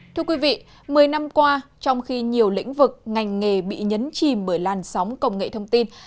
thưa quý vị một mươi năm qua trong khi nhiều lĩnh vực ngành nghề bị nhấn chìm bởi làn sóng công nghệ thông tin